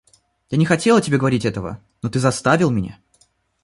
Я не хотела тебе говорить этого, но ты заставил меня.